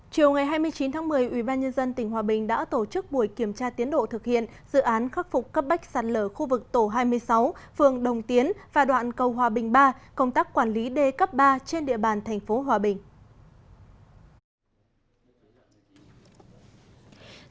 chiều ngày hai mươi chín tháng một mươi ubnd tỉnh hòa bình đã tổ chức buổi kiểm tra tiến độ thực hiện dự án khắc phục cấp bách sạt lở khu vực tổ hai mươi sáu phường đồng tiến và đoạn cầu hòa bình ba công tác quản lý d cấp ba trên địa bàn thành phố hòa bình